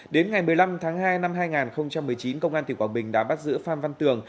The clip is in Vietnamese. đến ngày một mươi năm tháng hai năm hai nghìn một mươi chín công an tỉnh quảng bình đã bắt giữ phan văn tường